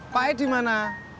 pak e di mana